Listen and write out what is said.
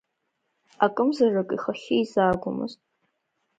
Акымзарак ихахьы изаагомызт.